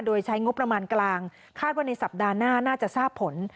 โดยใช้งบประมาณกลางคาดว่าในสัปดาห์หน้าน่าจะทราบผล